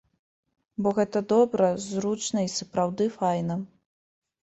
Бо гэта добра, зручна і сапраўды файна.